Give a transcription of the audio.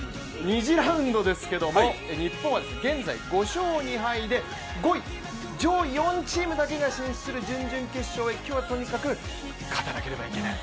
２次ラウンドですが、日本は現在、５勝２敗で５位、上位４チームだけが進出する準々決勝へ、今日はとにかく勝たなければいけない。